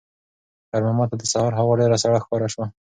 خیر محمد ته د سهار هوا ډېره سړه ښکاره شوه.